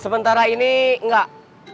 sementara ini enggak